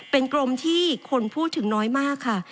เป็นกรมที่คนพูดถึงน้อยมากค่ะ